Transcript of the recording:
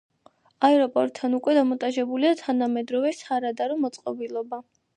აეროპორტთან უკვე დამონტაჟებულია თანამედროვე სარადარო მოწყობილობა.